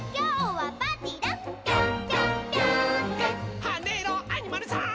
「はねろアニマルさん！」